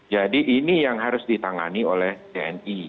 jadi ini yang harus ditangani oleh tni